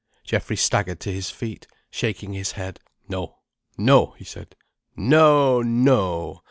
Geoffrey staggered to his feet, shaking his head. "No—no—" he said. "No—no!